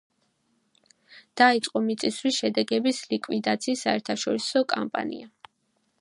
დაიწყო მიწისძვრის შედეგების ლიკვიდაციის საერთაშორისო კამპანია.